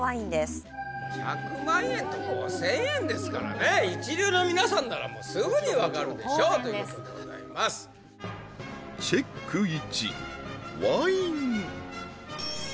１００万円と５０００円ですからね一流の皆さんならもうすぐにわかるでしょうということでございますチェック１